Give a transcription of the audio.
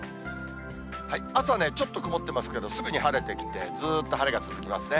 朝、ちょっと曇ってますけど、すぐに晴れてきて、ずーっと晴れが続きますね。